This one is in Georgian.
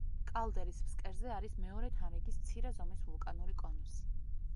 კალდერის ფსკერზე არის მეორე თანრიგის მცირე ზომის ვულკანური კონუსი.